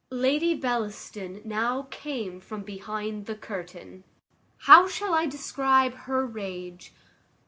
Lady Bellaston now came from behind the curtain. How shall I describe her rage?